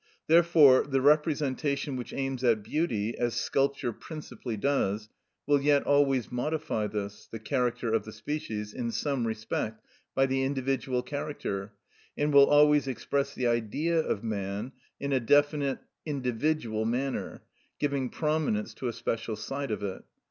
Therefore the representation which aims at beauty, as sculpture principally does, will yet always modify this (the character of the species), in some respect, by the individual character, and will always express the Idea of man in a definite individual manner, giving prominence to a special side of it.